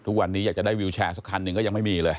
ทุกวันนี้อยากจะได้วิวแชร์สักคันหนึ่งก็ยังไม่มีเลย